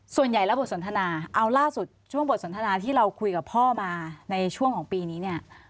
ส่วนใหญ่แล้วบทสนทนาเอาล่าสุดช่วงบทสนทนาที่เราคุยกับพ่อมาในช่วงของปีนี้เนี่ย